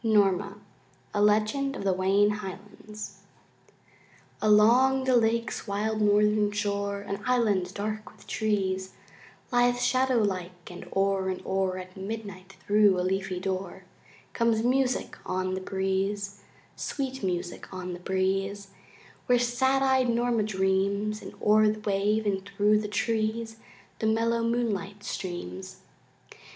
Norma A Legend of the Wayne Highlands Along the lake's wild northern shore An island dark with trees Lies shadow like, and o'er and o'er At midnight thru a leafy door Comes music on the breeze, Sweet music on the breeze, Where sad eyed Norma dreams, And o'er the wave, in thru the trees The mellow moonlight streams.